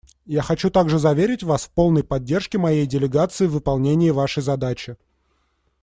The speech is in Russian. Я хочу также заверить вас в полной поддержке моей делегации в выполнении вашей задачи.